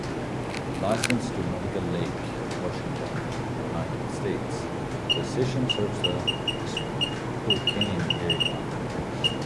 Licensed to Medical Lake, Washington, United States, the station serves the Spokane area.